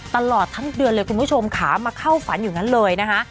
ตลอดทั้งเดือนเลยคุณผู้ชมค่ะมาเข้าฝันอยู่นั้นเลยนะคะ